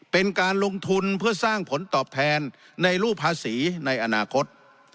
เป็นการลงทุนเพื่อสร้างผลตอบแทนในรูปภาษีในอนาคต